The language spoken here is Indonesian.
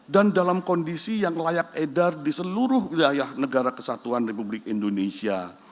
dan dalam kondisi yang layak edar di seluruh wilayah negara kesatuan republik indonesia